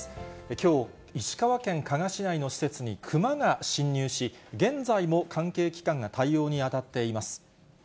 きょう、石川県加賀市内の施設にクマが侵入し、現在も関係機関が対応に当たっています。